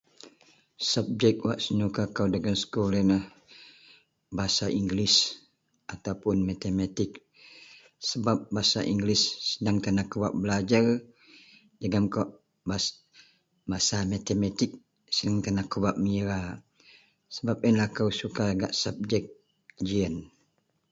Sabek wak senukakou dagen sekul yenlah, bahasa english ataupuun matematik. Sebap bahasa english seneng kou bak belajer jegem kawak masa matematik seneng akou bak mengira. Sebap yenlah akou suka gak sabjek iyen